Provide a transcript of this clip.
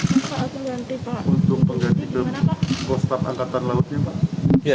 kepala staf angkatan lautnya pak